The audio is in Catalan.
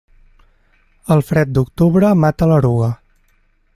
El fred d'octubre mata l'eruga.